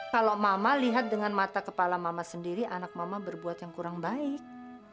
kalau mama lihat dengan mata kepala mama sendiri anak mama berbuat yang kurang baik